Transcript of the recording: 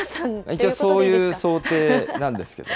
一応、そういう想定なんですけど。